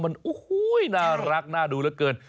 มันน่ารักน่าดูเหลือเกิน